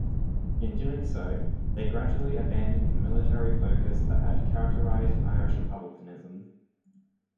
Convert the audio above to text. In doing so, they gradually abandoned the military focus that had characterised Irish republicanism.